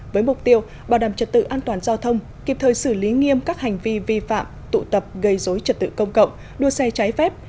với mục tiêu bảo đảm trật tự an toàn giao thông kịp thời xử lý nghiêm các hành vi vi phạm tụ tập gây dối trật tự công cộng đua xe trái phép